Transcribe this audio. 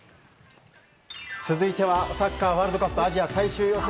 続いてはサッカーワールドカップアジア最終予選。